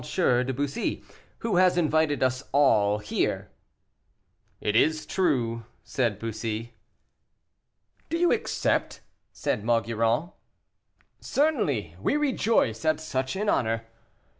de Bussy, who has invited us all here." "It is true," said Bussy. "Do you accept?" said Maugiron. "Certainly; we rejoice at such an honor."